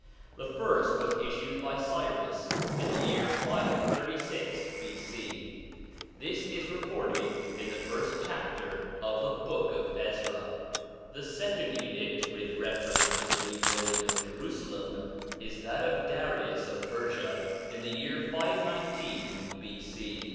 The first was issued by Cyrus in the year 536 B.C. ; this is recorded in the first chapter of the Book of Ezra. The second edict, with reference to the rebuild ing of Jerusalem, is that of Darius of Persia in the year 519 B.C.